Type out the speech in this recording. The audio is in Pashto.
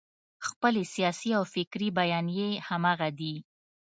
خپلې سیاسي او فکري بیانیې همغه دي.